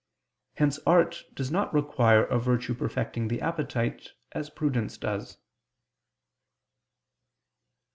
Hence art does not require a virtue perfecting the appetite, as prudence does.